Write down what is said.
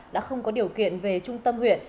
đã không có điều kiện về trung tâm huyện